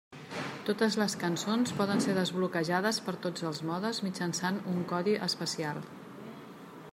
Totes les cançons poden ser desbloquejades per tots els modes mitjançant un codi especial.